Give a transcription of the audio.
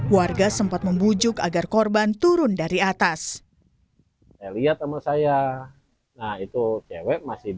warga sempat membujuk agar korban turun dari atas